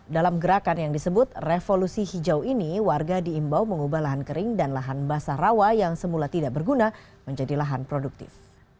dalam gerakan yang disebut revolusi hijau ini warga diimbau mengubah lahan kering dan lahan basah rawa yang semula tidak berguna menjadi lahan produktif